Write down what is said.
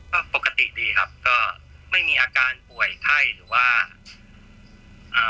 ก็ปกติดีครับก็ไม่มีอาการป่วยไข้หรือว่าอ่า